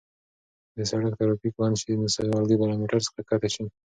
که د سړک ترافیک بند شي نو سوارلۍ به له موټر څخه کښته شي.